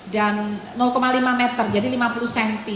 lima dan lima meter jadi lima puluh cm